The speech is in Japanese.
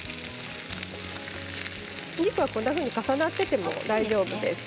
お肉はこんなふうに重なっていても大丈夫です。